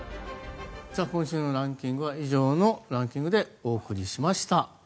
今週のランキングは以上のランキングでお送りしました。